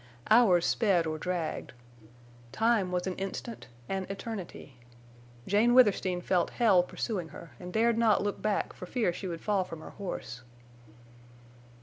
Hours sped or dragged. Time was an instant—an eternity. Jane Withersteen felt hell pursuing her, and dared not look back for fear she would fall from her horse.